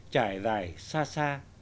trải dài xa xa